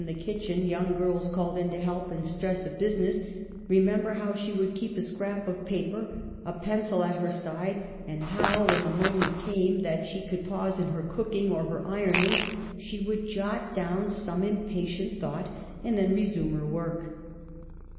that kitchen, young girls called in to help in stress of business, remember how she would keep a scrap of paper, a pencil, at her side, and how, when the moment came that she could pause in her cooking or her ironing, she would jot down some impatient thought and then re sume her work.